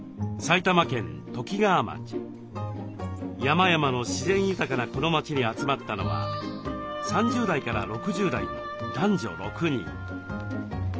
山々の自然豊かなこの町に集まったのは３０代から６０代の男女６人。